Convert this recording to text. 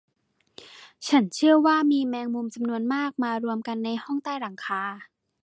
ฉันเชื่อว่ามีแมงมุมจำนวนมากมารวมกันในห้องใต้หลังคา